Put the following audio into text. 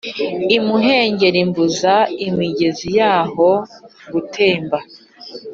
imuhengeri mbuza imigezi yaho gutemba